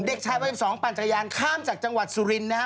เด็กชายวัย๑๒ปั่นจักรยานข้ามจากจังหวัดสุรินทร์นะครับ